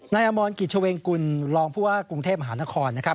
อมรกิจเวงกุลรองผู้ว่ากรุงเทพมหานครนะครับ